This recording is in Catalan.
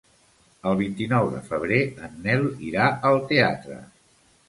El vint-i-nou de febrer en Nel irà al teatre.